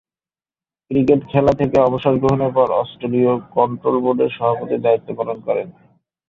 Cricket খেলা থেকে অবসর গ্রহণের পর অস্ট্রেলীয় কন্ট্রোল বোর্ডের সভাপতির দায়িত্ব পালন করেন।